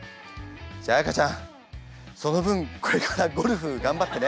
じゃあ彩歌ちゃんその分これからゴルフ頑張ってね！